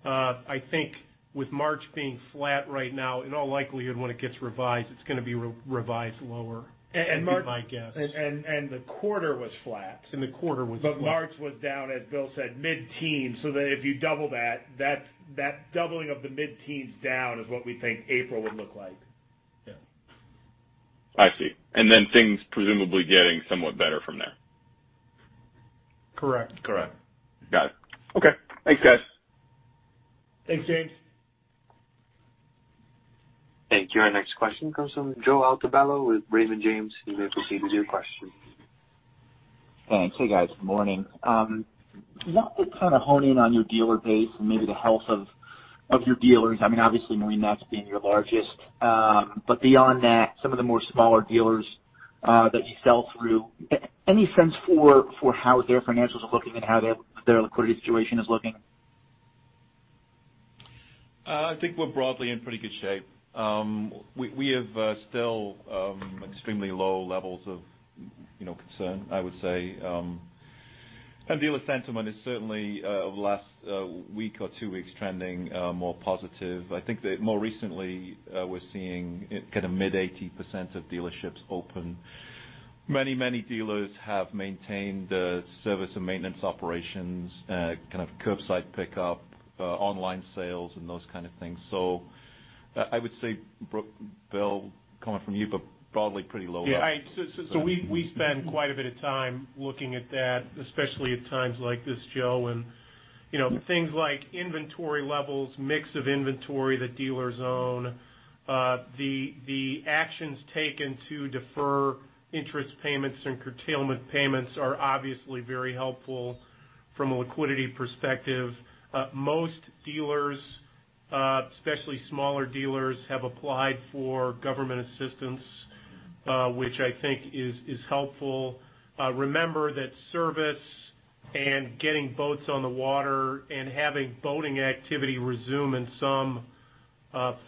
I think with March being flat right now, in all likelihood, when it gets revised, it's going to be revised lower, would be my guess. The quarter was flat. The quarter was flat. But March was down, as Bill said, mid-teens. So if you double that, that doubling of the mid-teens down is what we think April would look like. Yeah. I see. And then things presumably getting somewhat better from there. Correct. Correct. Got it. Okay. Thanks, guys. Thanks, James. Thank you. Our next question comes from Joe Altobello with Raymond James. You may proceed with your question. Thanks. Hey, guys. Good morning. I'd love to kind of hone in on your dealer base and maybe the health of your dealers. I mean, obviously, MarineMax being your largest. But beyond that, some of the more smaller dealers that you sell through, any sense for how their financials are looking and how their liquidity situation is looking? I think we're broadly in pretty good shape. We have still extremely low levels of concern, I would say, and dealer sentiment is certainly over the last week or two weeks trending more positive. I think that more recently, we're seeing kind of mid-80% of dealerships open. Many, many dealers have maintained the service and maintenance operations, kind of curbside pickup, online sales, and those kind of things. So I would say, Bill, comment from you, but broadly pretty low. Yeah. So we spend quite a bit of time looking at that, especially at times like this, Joe, and things like inventory levels, mix of inventory that dealers own. The actions taken to defer interest payments and curtailment payments are obviously very helpful from a liquidity perspective. Most dealers, especially smaller dealers, have applied for government assistance, which I think is helpful. Remember that service and getting boats on the water and having boating activity resume in some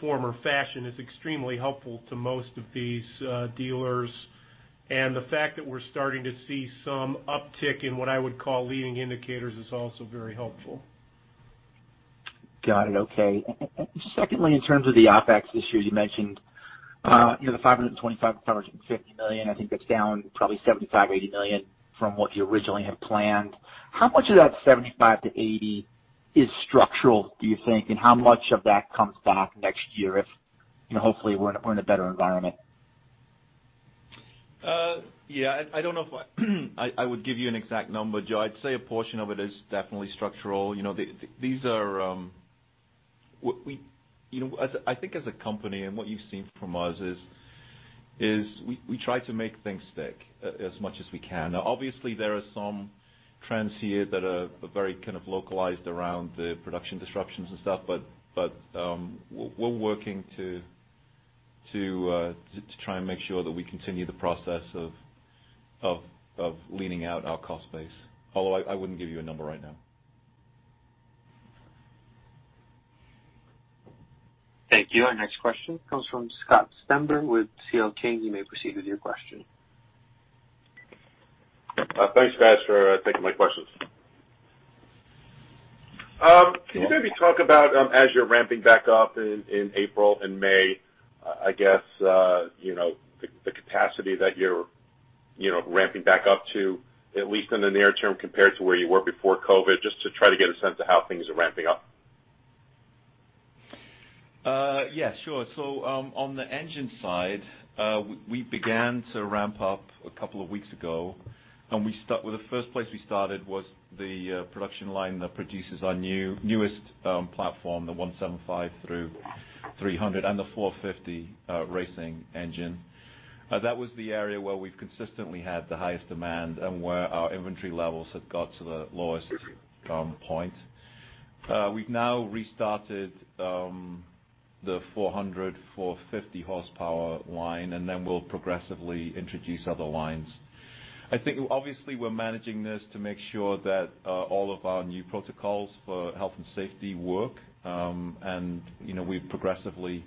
form or fashion is extremely helpful to most of these dealers. And the fact that we're starting to see some uptick in what I would call leading indicators is also very helpful. Got it. Okay. Secondly, in terms of the OpEx issues, you mentioned the $525 million-$550 million. I think that's down probably $75 million-$80 million from what you originally had planned. How much of that $75-$80 is structural, do you think, and how much of that comes back next year if hopefully we're in a better environment? Yeah. I don't know if I would give you an exact number, Joe. I'd say a portion of it is definitely structural. These are I think as a company and what you've seen from us is we try to make things stick as much as we can. Now, obviously, there are some trends here that are very kind of localized around the production disruptions and stuff, but we're working to try and make sure that we continue the process of leaning out our cost base. Although I wouldn't give you a number right now. Thank you. Our next question comes from Scott Stember with C.L. King & Associates. You may proceed with your question. Thanks, guys, for taking my questions. Can you maybe talk about as you're ramping back up in April and May, I guess, the capacity that you're ramping back up to, at least in the near term compared to where you were before COVID, just to try to get a sense of how things are ramping up? Yeah. Sure. So on the engine side, we began to ramp up a couple of weeks ago. And the first place we started was the production line that produces our newest platform, the 175-300 and the 450 racing engine. That was the area where we've consistently had the highest demand and where our inventory levels have got to the lowest point. We've now restarted the 400-450 horsepower line, and then we'll progressively introduce other lines. I think obviously we're managing this to make sure that all of our new protocols for health and safety work, and we're progressively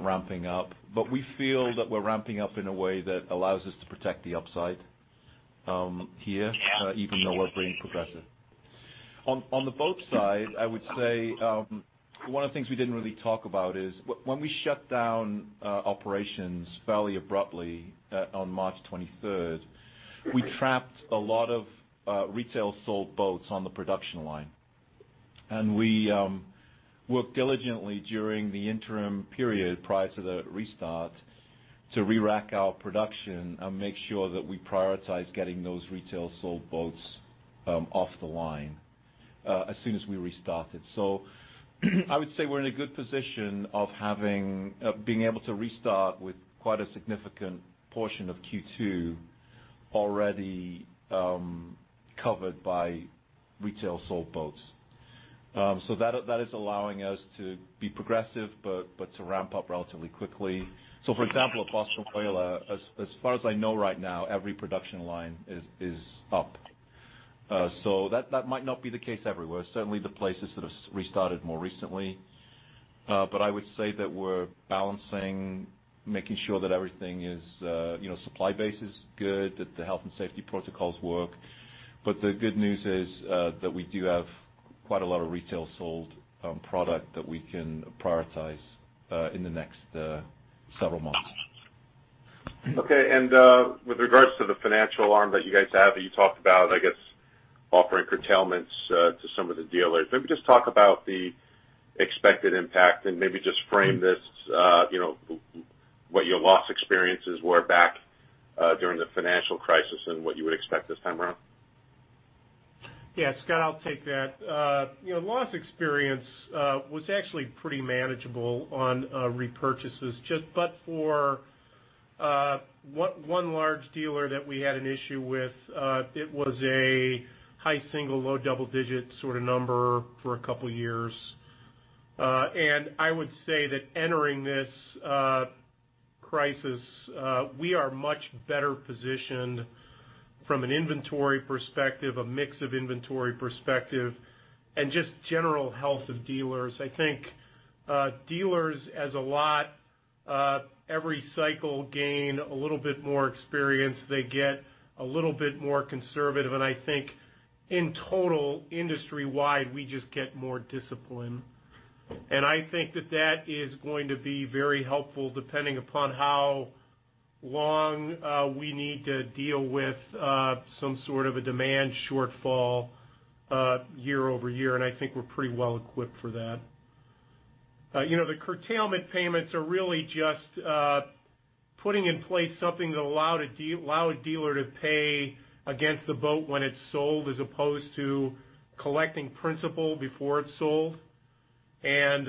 ramping up. But we feel that we're ramping up in a way that allows us to protect the upside here, even though we're being progressive. On the boat side, I would say one of the things we didn't really talk about is when we shut down operations fairly abruptly on March 23rd, we trapped a lot of retail sold boats on the production line. And we worked diligently during the interim period prior to the restart to re-rack our production and make sure that we prioritize getting those retail sold boats off the line as soon as we restarted. So I would say we're in a good position of being able to restart with quite a significant portion of Q2 already covered by retail sold boats. So that is allowing us to be progressive but to ramp up relatively quickly. So for example, at Boston Whaler, as far as I know right now, every production line is up. So that might not be the case everywhere. Certainly, the places that have restarted more recently. But I would say that we're balancing, making sure that everything is supply base is good, that the health and safety protocols work. But the good news is that we do have quite a lot of retail sold product that we can prioritize in the next several months. Okay. And with regards to the financial arm that you guys have that you talked about, I guess, offering curtailments to some of the dealers, maybe just talk about the expected impact and maybe just frame this, what your loss experiences were back during the financial crisis and what you would expect this time around? Yeah. Scott, I'll take that. Loss experience was actually pretty manageable on repurchases, but for one large dealer that we had an issue with, it was a high single-digit, low double-digit sort of number for a couple of years. And I would say that entering this crisis, we are much better positioned from an inventory perspective, a mix of inventory perspective, and just general health of dealers. I think dealers, as a lot, every cycle gain a little bit more experience. They get a little bit more conservative. And I think in total, industry-wide, we just get more discipline. And I think that that is going to be very helpful depending upon how long we need to deal with some sort of a demand shortfall year-over-year. And I think we're pretty well equipped for that. The curtailment payments are really just putting in place something that allows a dealer to pay against the boat when it's sold as opposed to collecting principal before it's sold, and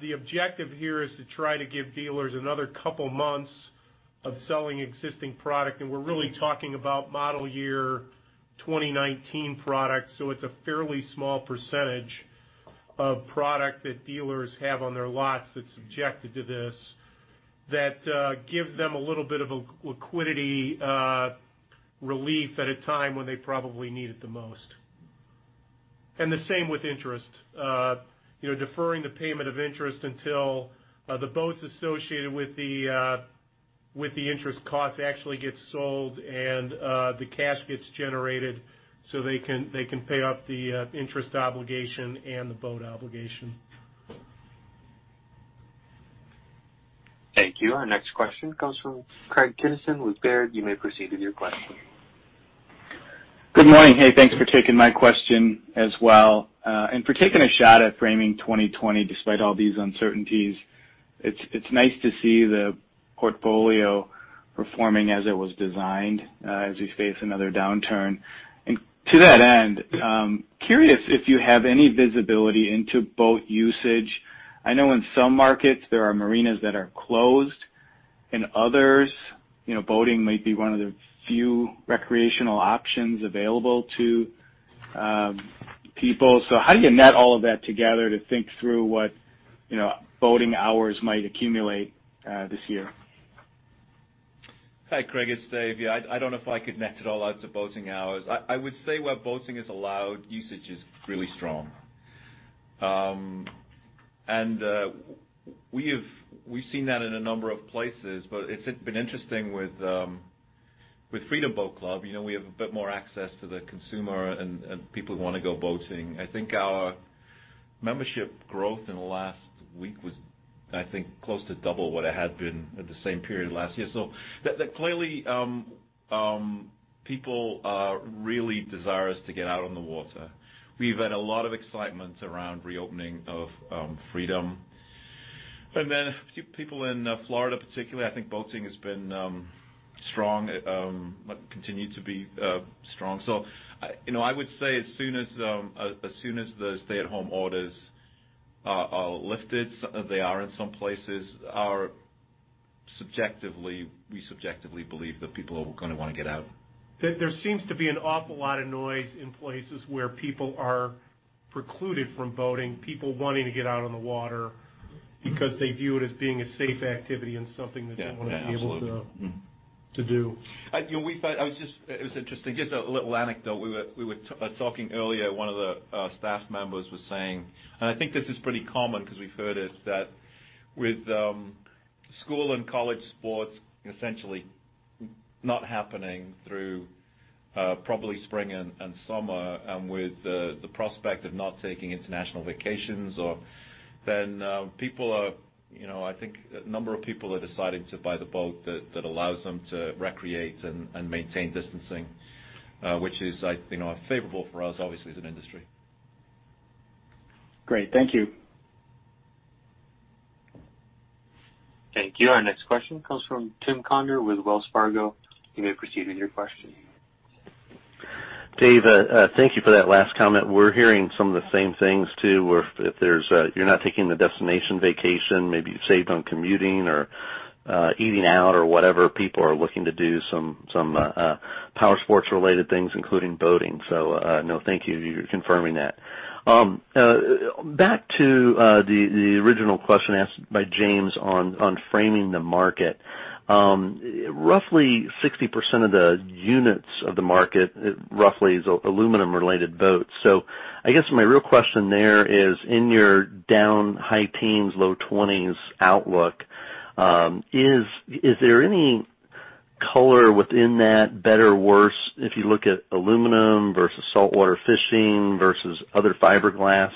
the objective here is to try to give dealers another couple of months of selling existing product, and we're really talking about model year 2019 product, so it's a fairly small percentage of product that dealers have on their lots that's subjected to this that gives them a little bit of a liquidity relief at a time when they probably need it the most, and the same with interest. Deferring the payment of interest until the boats associated with the interest cost actually gets sold and the cash gets generated so they can pay up the interest obligation and the boat obligation. Thank you. Our next question comes from Craig Kennison with Baird. You may proceed with your question. Good morning. Hey, thanks for taking my question as well, and for taking a shot at framing 2020 despite all these uncertainties. It's nice to see the portfolio performing as it was designed as we face another downturn, and to that end, curious if you have any visibility into boat usage. I know in some markets, there are marinas that are closed. In others, boating might be one of the few recreational options available to people, so how do you net all of that together to think through what boating hours might accumulate this year? Hi, Craig. It's Dave. Yeah. I don't know if I could net it all out to boating hours. I would say where boating is allowed, usage is really strong, and we've seen that in a number of places, but it's been interesting with Freedom Boat Club. We have a bit more access to the consumer and people who want to go boating. I think our membership growth in the last week was, I think, close to double what it had been at the same period last year. So clearly, people really desire us to get out on the water. We've had a lot of excitement around reopening of Freedom, and then people in Florida, particularly, I think boating has been strong, continued to be strong. I would say as soon as the stay-at-home orders are lifted, they are in some places. We subjectively believe that people are going to want to get out. There seems to be an awful lot of noise in places where people are precluded from boating, people wanting to get out on the water because they view it as being a safe activity and something that they want to be able to do. Yeah. Absolutely. I was just—it was interesting. Just a little anecdote. We were talking earlier. One of the staff members was saying, and I think this is pretty common because we've heard it, that with school and college sports essentially not happening through probably spring and summer and with the prospect of not taking international vacations, then people are—I think a number of people are deciding to buy the boat that allows them to recreate and maintain distancing, which is favorable for us, obviously, as an industry. Great. Thank you. Thank you. Our next question comes from Tim Conder with Wells Fargo. You may proceed with your question. Dave, thank you for that last comment. We're hearing some of the same things too. If you're not taking the destination vacation, maybe you've saved on commuting or eating out or whatever, people are looking to do some powersports-related things, including boating. So no, thank you for confirming that. Back to the original question asked by James on framing the market. Roughly 60% of the units of the market, roughly, is aluminum-related boats. So I guess my real question there is, in your down high teens, low twenties outlook, is there any color within that, better or worse, if you look at aluminum versus saltwater fishing versus other fiberglass,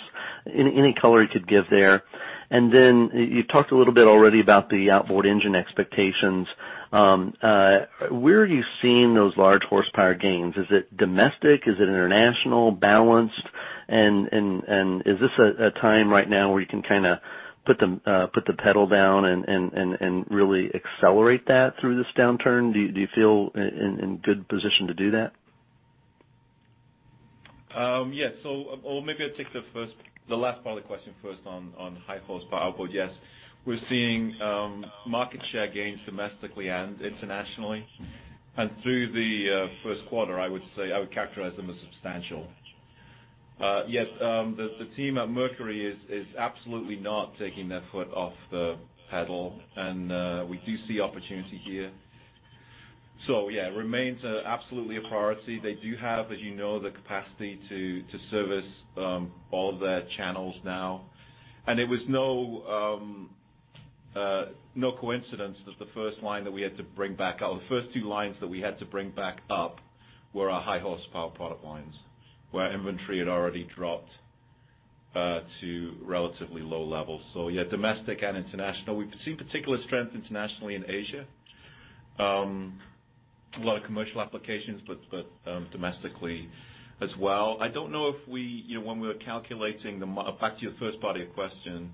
any color you could give there? And then you talked a little bit already about the outboard engine expectations. Where are you seeing those large horsepower gains? Is it domestic? Is it international? Balanced? Is this a time right now where you can kind of put the pedal down and really accelerate that through this downturn? Do you feel in good position to do that? Yes. Or maybe I'll take the last part of the question first on high horsepower boats. Yes. We're seeing market share gains domestically and internationally, and through the first quarter, I would characterize them as substantial. Yet the team at Mercury is absolutely not taking their foot off the pedal. And we do see opportunity here, so yeah, it remains absolutely a priority. They do have, as you know, the capacity to service all of their channels now, and it was no coincidence that the first line that we had to bring back up, the first two lines that we had to bring back up were our high horsepower product lines where inventory had already dropped to relatively low levels, so yeah, domestic and international. We've seen particular strength internationally in Asia. A lot of commercial applications, but domestically as well. I don't know if when we were calculating the, back to your first part of your question,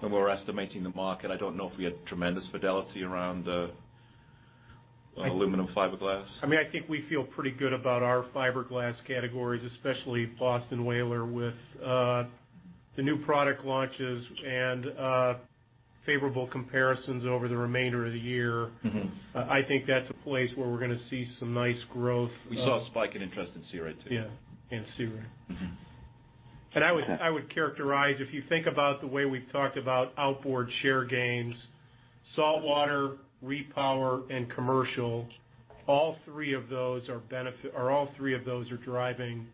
when we were estimating the market, I don't know if we had tremendous fidelity around aluminum fiberglass. I mean, I think we feel pretty good about our fiberglass categories, especially Boston Whaler with the new product launches and favorable comparisons over the remainder of the year. I think that's a place where we're going to see some nice growth. We saw a spike in interest in Sea Ray too. Yeah. In Sea Ray, I would characterize, if you think about the way we've talked about outboard share gains, saltwater, repower, and commercial, all three of those are driving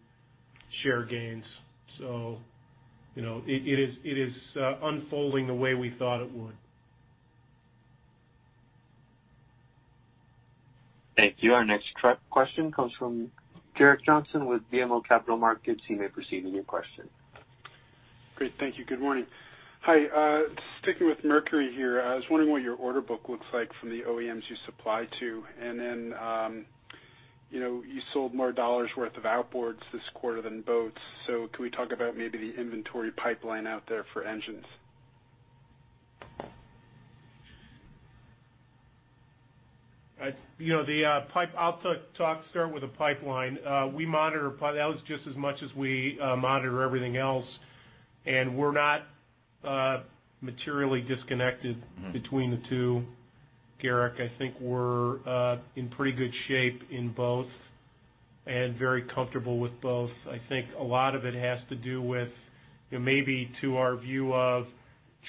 share gains. So it is unfolding the way we thought it would. Thank you. Our next question comes from Gerrick Johnson with BMO Capital Markets. You may proceed with your question. Great. Thank you. Good morning. Hi. Sticking with Mercury here, I was wondering what your order book looks like from the OEMs you supply to? And then you sold more dollars' worth of outboards this quarter than boats. So can we talk about maybe the inventory pipeline out there for engines? The pipeline, I'll start with the pipeline. That was just as much as we monitor everything else. And we're not materially disconnected between the two. Gerrick, I think we're in pretty good shape in both and very comfortable with both. I think a lot of it has to do with maybe to our view of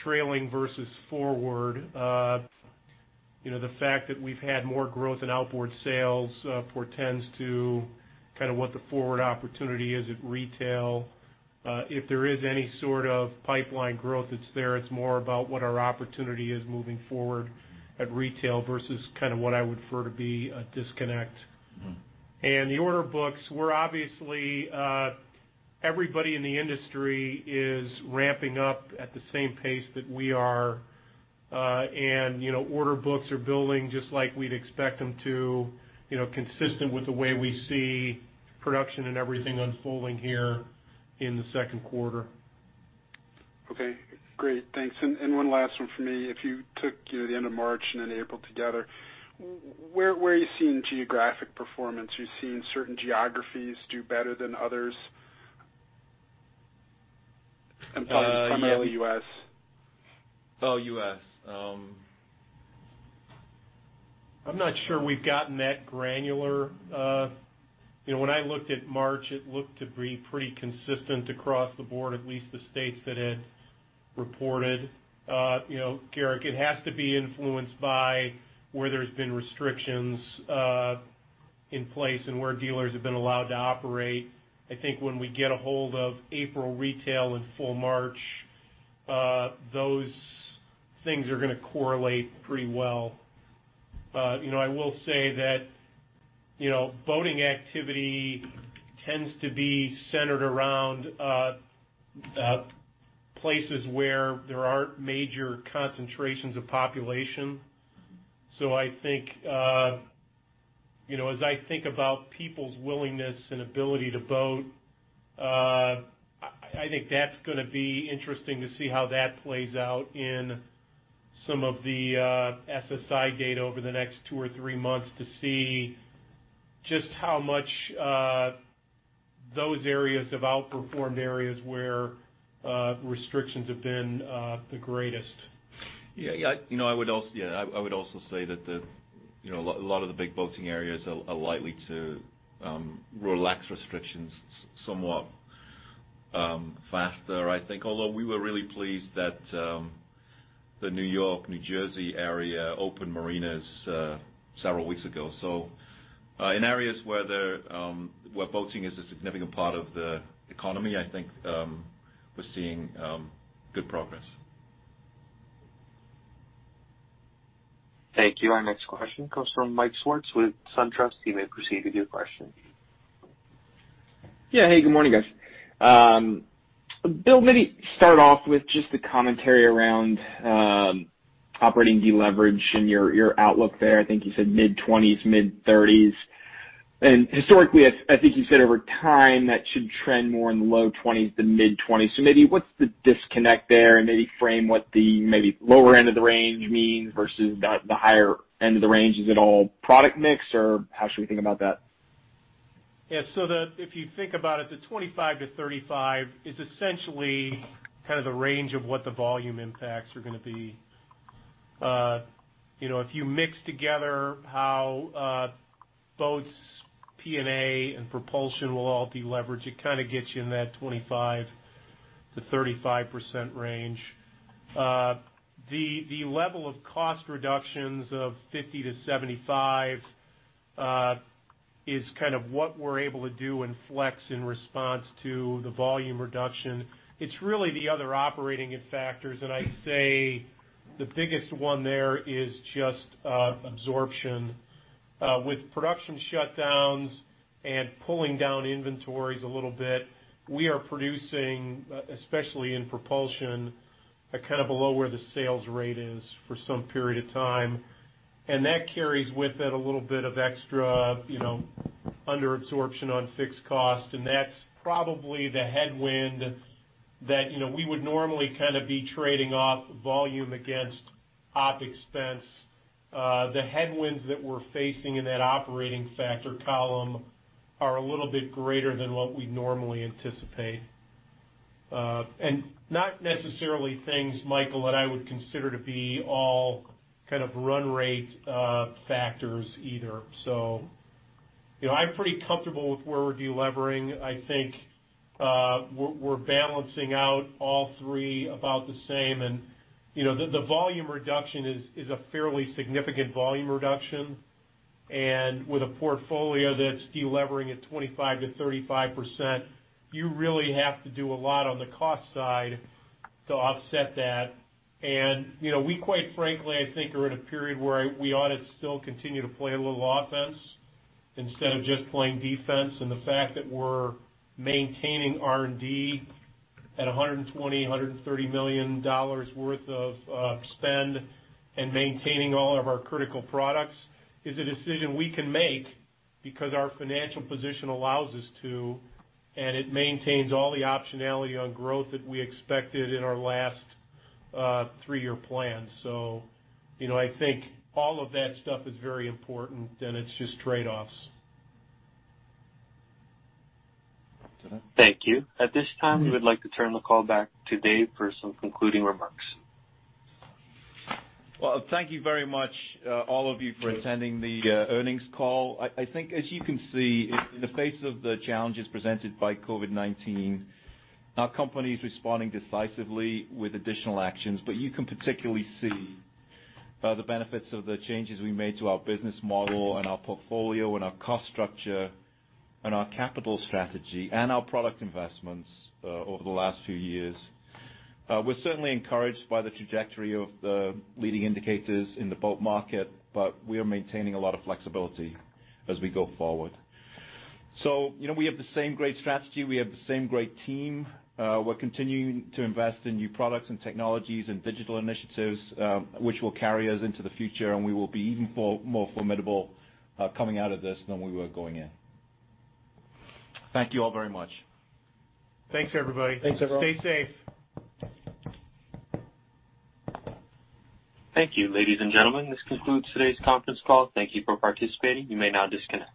trailing versus forward. The fact that we've had more growth in outboard sales portends to kind of what the forward opportunity is at retail. If there is any sort of pipeline growth, it's there. I t's more about what our opportunity is moving forward at retail versus kind of what I would refer to be a disconnect. And the order books, we're obviously, everybody in the industry is ramping up at the same pace that we are. Order books are building just like we'd expect them to, consistent with the way we see production and everything unfolding here in the second quarter. Okay. Great. Thanks. And one last one for me. If you took the end of March and then April together, where are you seeing geographic performance? Are you seeing certain geographies do better than others? I'm talking primarily U.S. Oh, U.S. I'm not sure we've gotten that granular. When I looked at March, it looked to be pretty consistent across the board, at least the states that had reported. Gerrick, it has to be influenced by where there's been restrictions in place and where dealers have been allowed to operate. I think when we get a hold of April retail in full March, those things are going to correlate pretty well. I will say that boating activity tends to be centered around places where there aren't major concentrations of population. So I think, as I think about people's willingness and ability to boat, I think that's going to be interesting to see how that plays out in some of the SSI data over the next two or three months to see just how much those areas have outperformed areas where restrictions have been the greatest. Yeah. I would also say that a lot of the big boating areas are likely to relax restrictions somewhat faster, I think. Although we were really pleased that the New York, New Jersey area opened marinas several weeks ago. So in areas where boating is a significant part of the economy, I think we're seeing good progress. Thank you. Our next question comes from Mike Swartz with SunTrust. You may proceed with your question. Yeah. Hey, good morning, guys. Bill, maybe start off with just the commentary around operating deleverage and your outlook there. I think you said mid-20s, mid-30s. And historically, I think you said over time that should trend more in the low 20s to mid-20s. So maybe what's the disconnect there and maybe frame what the maybe lower end of the range means versus the higher end of the range? Is it all product mix or how should we think about that? Yeah. So if you think about it, the 25%-35% is essentially kind of the range of what the volume impacts are going to be. If you mix together how boats, P&A, and propulsion will all deleverage, it kind of gets you in that 25%-35% range. The level of cost reductions of 50%-75% is kind of what we're able to do and flex in response to the volume reduction. It's really the other operating factors. And I'd say the biggest one there is just absorption. With production shutdowns and pulling down inventories a little bit, we are producing, especially in propulsion, kind of below where the sales rate is for some period of time. And that carries with it a little bit of extra under-absorption on fixed cost. And that's probably the headwind that we would normally kind of be trading off volume against OpEx. The headwinds that we're facing in that operating factor column are a little bit greater than what we'd normally anticipate. And not necessarily things, Michael, that I would consider to be all kind of run rate factors either. So I'm pretty comfortable with where we're delivering. I think we're balancing out all three about the same. And the volume reduction is a fairly significant volume reduction. And with a portfolio that's delivering at 25%-35%, you really have to do a lot on the cost side to offset that. And we, quite frankly, I think are in a period where we ought to still continue to play a little offense instead of just playing defense. The fact that we're maintaining R&D at $120 million-$130 million worth of spend and maintaining all of our critical products is a decision we can make because our financial position allows us to. It maintains all the optionality on growth that we expected in our last three-year plan. I think all of that stuff is very important, and it's just trade-offs. Thank you. At this time, we would like to turn the call back to Dave for some concluding remarks. Thank you very much, all of you, for attending the earnings call. I think, as you can see, in the face of the challenges presented by COVID-19, our company is responding decisively with additional actions. You can particularly see the benefits of the changes we made to our business model and our portfolio and our cost structure and our capital strategy and our product investments over the last few years. We're certainly encouraged by the trajectory of the leading indicators in the boat market, but we are maintaining a lot of flexibility as we go forward. We have the same great strategy. We have the same great team. We're continuing to invest in new products and technologies and digital initiatives, which will carry us into the future. We will be even more formidable coming out of this than we were going in. Thank you all very much. Thanks, everybody. Thanks, everyone. Stay safe. Thank you, ladies and gentlemen. This concludes today's conference call. Thank you for participating. You may now disconnect.